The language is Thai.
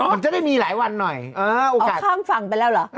มันจะได้มีหลายวันหน่อยออกจากข้ามฝั่งไปแล้วเหรอ